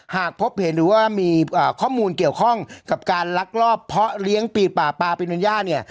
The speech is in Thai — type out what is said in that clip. หากพบเห็นหรือว่ามีข้อมูลเกี่ยวข้องกับการลักลอบเพาะเลี้ยงปีป่าปลาปีนัญญาเนี่ย